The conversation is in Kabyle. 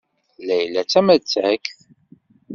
Layla d tamattakt.